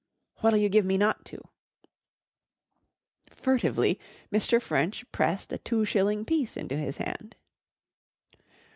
"What'll you give me not to?" Furtively Mr. French pressed a two shilling piece into his hand.